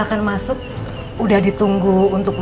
nama aku en irgendem